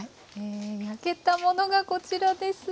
焼けたものがこちらです。